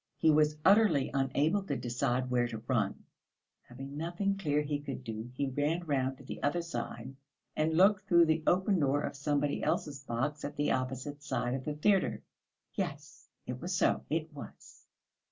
He was utterly unable to decide where to run. Having nothing clear he could do, he ran round to the other side and looked through the open door of somebody else's box at the opposite side of the theatre. Yes, it was so, it was!